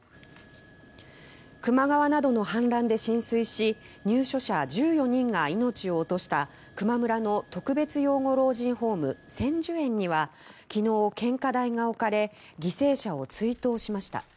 球磨川などの氾濫で浸水し入所者１４人が命を落とした球磨村の特別養護老人ホーム千寿園には昨日、献花台が置かれ犠牲者を追悼しました。